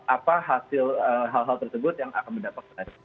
apa hasil hal hal tersebut yang akan mendapatkan